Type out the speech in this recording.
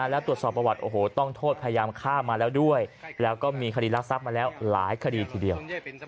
แล้วตรวจสอบประวัติโอ้โหต้องโทษพยายามฆ่ามาแล้วด้วยแล้วก็มีคดีรักทรัพย์มาแล้วหลายคดีทีเดียว